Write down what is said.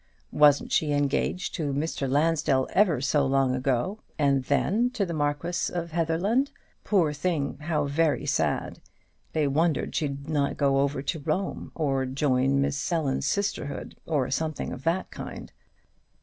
Wasn't she engaged to a Mr. Lansdell ever so long ago, and then to the Marquis of Heatherland? Poor thing, how very sad! They wondered she did not go over to Rome, or join Miss Sellon's sisterhood, or something of that kind.